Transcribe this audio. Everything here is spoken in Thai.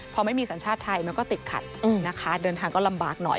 พอไม่มีสัญชาติไทยมันก็ติดขัดนะคะเดินทางก็ลำบากหน่อย